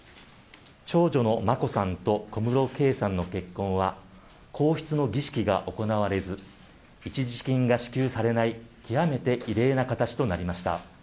長女の眞子さんと小室圭さんの結婚は、皇室の儀式が行われず、一時金が支給されない、極めて異例な形となりました。